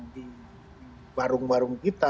di warung warung kita